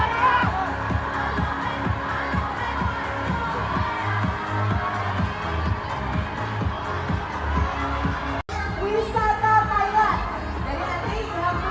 ขอบคุณมากสวัสดีครับ